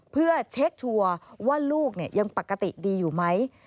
เพื่อเช็คชัวร์ว่าลูกยังปกติดีอยู่ไหม